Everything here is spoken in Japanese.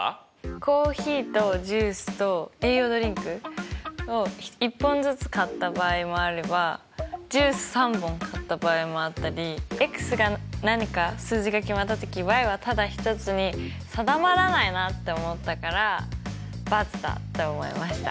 コーヒーとジュースと栄養ドリンクを１本ずつ買った場合もあればジュース３本買った場合もあったりが何か数字が決まった時はただ１つに定まらないなって思ったから×だって思いました。